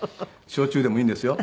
焼酎でもいいんですよ。